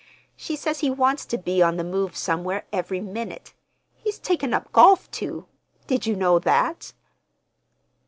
She says he wants to be on the move somewhere every minute. He's taken up golf, too. Did you know that?"